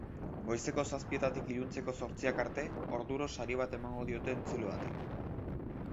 Goizeko zazpietatik iluntzeko zortziak arte, orduro sari bat emango diote entzule bati.